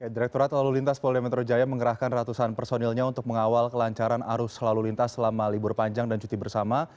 direkturat lalu lintas polda metro jaya mengerahkan ratusan personilnya untuk mengawal kelancaran arus lalu lintas selama libur panjang dan cuti bersama